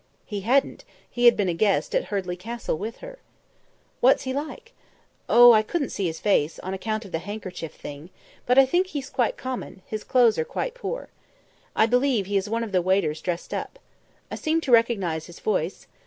He hadn't; he had been a guest at Hurdley Castle with her. "What's he like?" "Oh, I couldn't see his face, on account of the handkerchief thing, but I think he's quite common; his clothes are quite poor. I believe he is one of the waiters dressed up. I seem to recognise his voice.